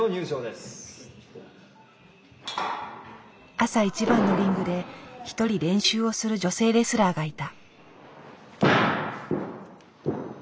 朝一番のリングで一人練習をする女性レスラーがいた。